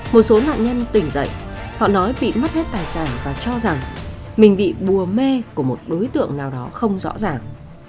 một số nạn nhân tỉnh dậy họ nói bị mất hết tài sản và cho rằng mình bị bùa mê của một đối tượng nào đó không rõ ràng